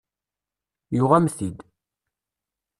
Yuɣ-am-t-id.